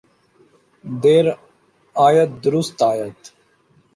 دیر آید درست آید۔